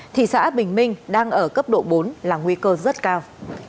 thị xã bình minh đang ở cấp độ bốn là nguy cơ rất cao